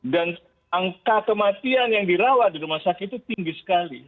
dan angka kematian yang dirawat di rumah sakit itu tinggi sekali